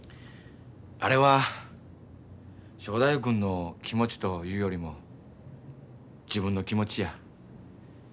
あれは正太夫君の気持ちというよりも自分の気持ちや。